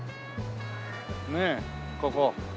ねえここ。